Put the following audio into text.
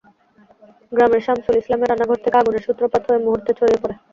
গ্রামের শামসুল ইসলামের রান্নাঘর থেকে আগুনের সূত্রপাত হয়ে মুহূর্তে ছড়িয়ে পড়ে।